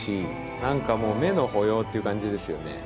なんか、もうっていう感じですよね